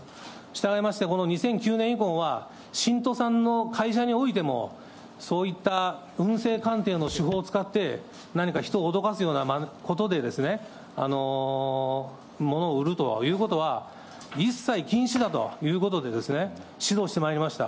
従いまして、この２００９年以降は、信徒さんの会社においても、そういった運勢鑑定の手法を使って、何か人をおどかすようなことで、物を売るということは一切禁止だということで、指導してまいりました。